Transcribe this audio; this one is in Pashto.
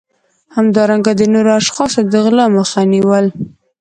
همدارنګه د نورو اشخاصو د غلا مخه نیول